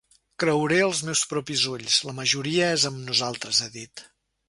Creuré els meus propis ulls: la majoria és amb nosaltres, ha dit.